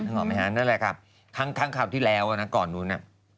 นั่นแหละครับครั้งที่แล้วนะก่อนนู้น